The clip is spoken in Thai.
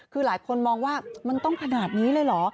คือหลายคนมองว่ามันต้องขนาดนี้เลยเหรอ